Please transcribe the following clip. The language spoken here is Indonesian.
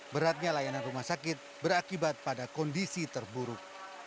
beratnya layanan rumah sakit berakibat pada kondisi terburuk